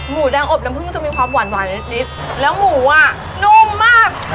หมูแดงอบลำพื้นจะมีความหวานหวานนิดนิดแล้วหมูอ่ะนุ่มมาก